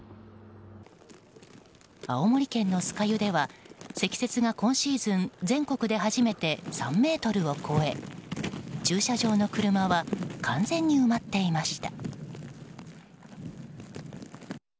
青森県の酸ヶ湯では積雪が今シーズン全国で初めて３ｍを超え、駐車場の車は完全に埋まっていました。